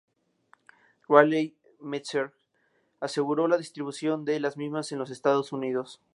Radley Metzger aseguró la distribución de las mismas en los Estados Unidos.